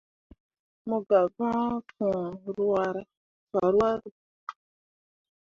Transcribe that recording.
Mo gah vãã fǝ̃ǝ̃ ruahra.